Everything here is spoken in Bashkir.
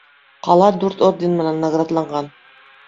Ҡала дүрт орден менән наградланған.